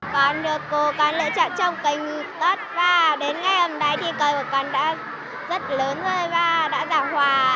con được cô con lựa chọn trồng cây ngự tất và đến ngay hầm đáy thì cây của con đã rất lớn rồi và đã giảm hòa